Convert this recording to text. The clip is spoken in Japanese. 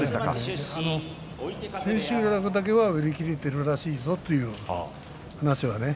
千秋楽だけは売り切れているらしいぞという話はね。